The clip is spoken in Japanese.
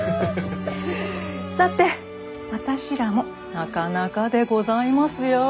さて私らもなかなかでございますよ！